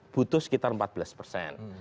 butuh sekitar empat belas persen